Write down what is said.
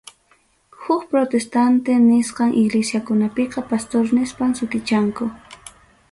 Huk protestante nisqan iglesiakunapiqa, pastor nispan sutichanku.